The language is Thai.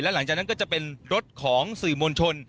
หลังจากนั้นก็จะเป็นรถของสื่อมวลชน